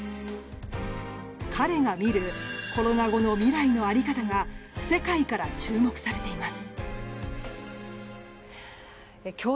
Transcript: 彼が見るコロナ後の未来の在り方が世界から注目されています。